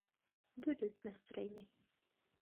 Дөрөҫ, Мәстүрә инәй.